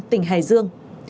tỉnh hải dương